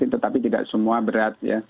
tetapi tidak semua berat ya